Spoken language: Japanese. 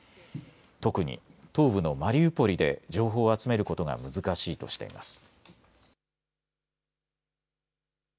特に東部のマリウポリで情報を集めることが難しいとしています。